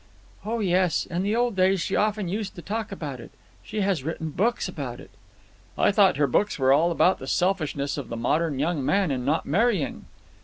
"Oh, yes. In the old days she often used to talk about it. She has written books about it." "I thought her books were all about the selfishness of the modern young man in not marrying."